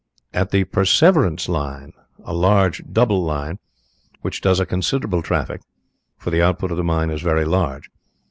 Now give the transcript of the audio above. As to the Perseverance line, it is a large double line, which does a considerable traffic, for the output of the mine is very large.